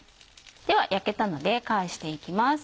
では焼けたので返して行きます。